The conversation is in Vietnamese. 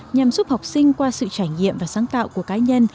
nhằm giúp học sinh qua sự trải nghiệm và sáng tạo của cá nhân